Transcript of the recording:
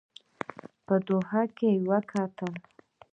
په دوحه کې وکتل.